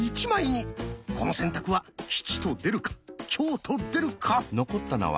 この選択は吉と出るか凶と出るか？